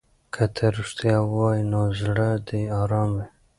که ته رښتیا ووایې نو زړه دې ارام وي.